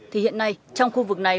thì hiện nay trong khu vực này